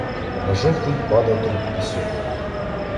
На жовтий пада труп пісок.